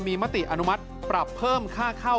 มีมติอนุมัติปรับเพิ่มค่าเข้า